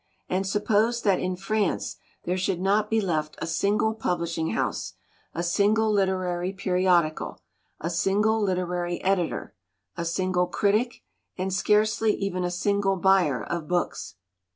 And suppose that in France there should not be left a single publishing house, a single literary periodical, a single literary editor, a single critic, and scarcely even a single buyer of books.